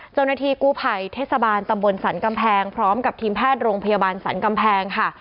เจ้าหน้าที่กู้ภัยเทศบาลตำบลสรรกำแพงพร้อมกับทีมแพทย์โรงพยาบาลสรรกำแพงค่ะ